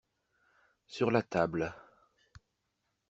Sur la table.